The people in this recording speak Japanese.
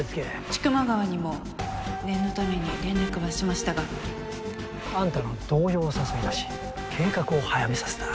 千曲川にも念のために連絡はしましたがあんたの動揺を誘い出し計画を早めさせた。